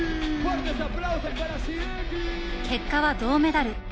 結果は銅メダル。